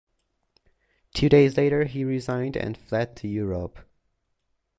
Two days later, he resigned and fled to Europe.